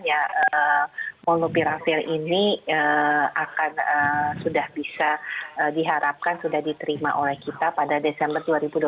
ya molnupiravir ini akan sudah bisa diharapkan sudah diterima oleh kita pada desember dua ribu dua puluh